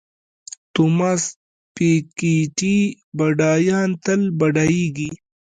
توماس پیکیټي بډایان تل بډایېږي.